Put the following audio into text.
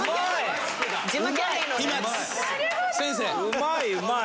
うまいうまい。